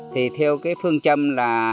theo phương châm là